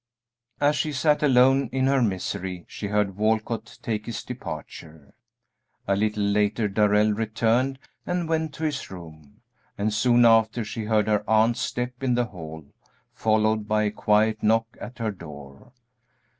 As she sat alone in her misery she heard Walcott take his departure. A little later Darrell returned and went to his room, and soon after she heard her aunt's step in the hall, followed by a quiet knock at her door.